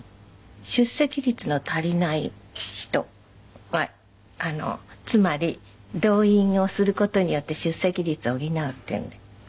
出席率の足りない人がつまり動員をする事によって出席率を補うっていうんで。